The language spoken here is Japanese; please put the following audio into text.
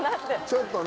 ちょっとな。